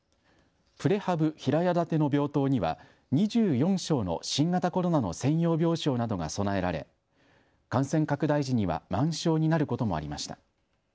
プレハブ平屋建ての病棟には２４床の新型コロナの専用病床などが備えられ感染拡大時には満床になることもありました。